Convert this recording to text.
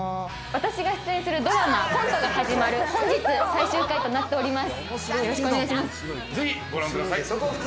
コントといったら、私が出演するドラマ『コントが始まる』、本日最終回となっております。